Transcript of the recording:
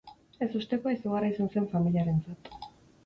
Ezustekoa izugarria izan zen familiarentzat.